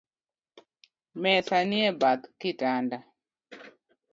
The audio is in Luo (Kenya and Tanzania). Mesa nie bath kitanda